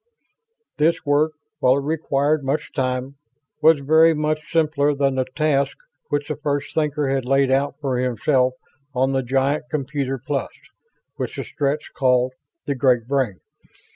This work, while it required much time, was very much simpler than the task which the First Thinker had laid out for himself on the giant computer plus which the Stretts called "The Great Brain."